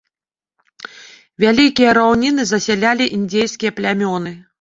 Вялікія раўніны засялялі індзейскія плямёны.